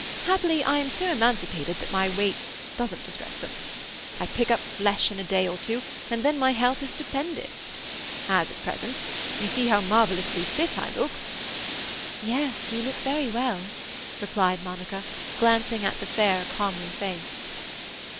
Happily, I am so emaciated that my weight doesn't distress them. I pick up flesh in a day or two, and then my health is stupendous—as at present. You see how marvellously fit I look." "Yes, you look very well," replied Monica, glancing at the fair, comely face.